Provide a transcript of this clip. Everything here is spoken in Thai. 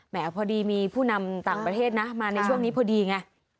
พอดีมีผู้นำต่างประเทศนะมาในช่วงนี้พอดีไง